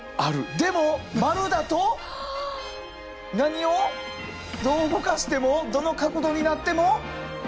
でも丸だと何をどう動かしてもどの角度になっても。